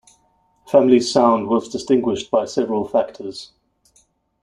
Family's sound was distinguished by several factors.